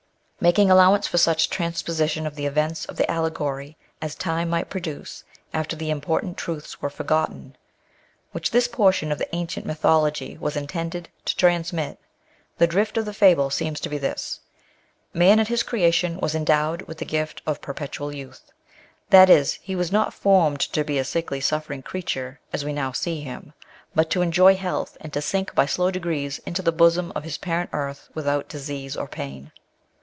" Making allowance for such transposition of the events of the allegory as time might produce after the important truths were forgotten, which this portion of the ancient mytho logy was intended to transmit, the drift of the fable seems to be this : Man at his creation was endowed with the gift of perpetual youth ; that is, he was not formed to be a sickly suffering creature as we now see him, but to enjoy health, and to sink by slow degrees into the bosom of his parent earth without disease or pain.